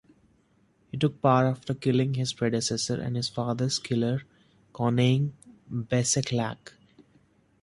He took power after killing his predecessor, and his father's killer, Conaing Bececlach.